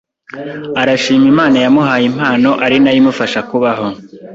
arashima Imana yamuhaye impano ari nayo imufasha kubaho